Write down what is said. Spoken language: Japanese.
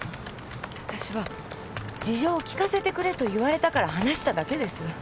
わたしは事情を聞かせてくれと言われたから話しただけです。